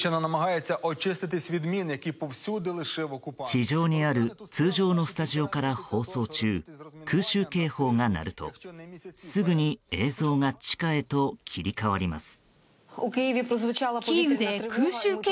地上にある通常のスタジオから放送中空襲警報が鳴ると、すぐに映像が地下へと切り替わります。